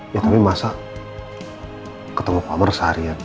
ya tapi masa ketemu pak amar seharian